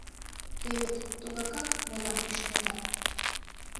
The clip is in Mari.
Те вет тугакат мылам ӱшанеда.